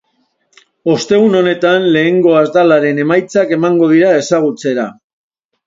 Ostegun honetan, lehenengo atalaren emaitzak emango dira ezagutzera.